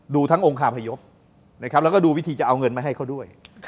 ดูทั้งองคาพยพนะครับแล้วก็ดูวิธีจะเอาเงินมาให้เขาด้วย